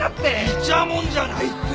いちゃもんじゃないって。